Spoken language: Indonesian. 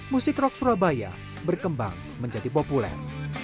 musik rock surabaya berkembang menjadi populer